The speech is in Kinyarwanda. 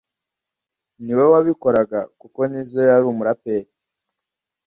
ni we wabikoraga kuko Nizzo yari umuraperi